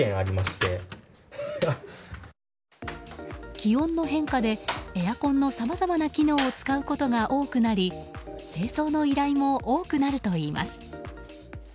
気温の変化でエアコンのさまざまな機能を使うことが多くなり、清掃の依頼も多くなるといいます。